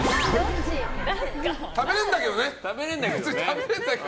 食べれるんだけどね。